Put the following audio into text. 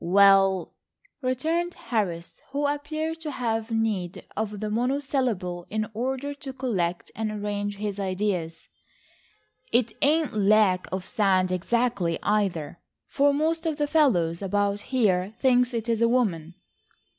"Well," returned Harris, who appeared to have need of the monosyllable in order to collect and arrange his ideas. "'Tain't lack of sand exactly, either, for most of the fellows about here thinks it is a woman."